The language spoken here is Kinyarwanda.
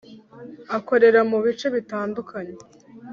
akorera mubice bitandukanye